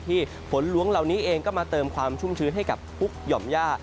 ฝนล้วงเหล่านี้เองก็มาเติมความชุ่มชื้นให้กับฮุกหย่อมย่า